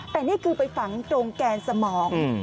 แต่นี่คือไปฝังตรงแกนสมอง